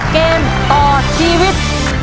เกมต่อชีวิต